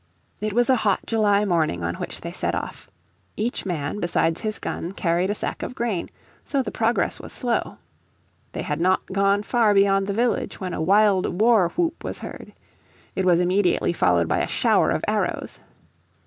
It was a hot July morning on which they set off. Each man besides his gun carried a sack of grain, so the progress was slow. They had not gone far beyond the village when a wild war whoop was heard. It was immediately followed by a shower of arrows.